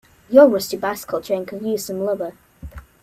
Your rusty bicycle chain could use some lube.